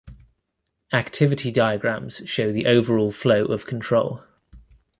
Activity diagrams show the overall flow of control.